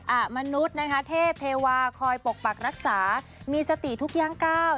มนุษย์นะคะเทพเทวาคอยปกปักรักษามีสติทุกย่างก้าว